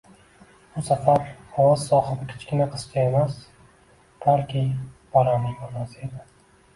Bu safar ovoz sohibi kichkina qizcha emas, balki bolaning onasi edi